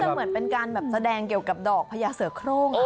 เหมือนเป็นการแบบแสดงเกี่ยวกับดอกพญาเสือโครง